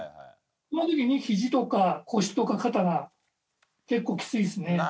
この時にひじとか腰とか肩が結構きついですね。